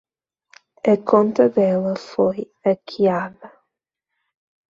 A conta dela foi hackeada.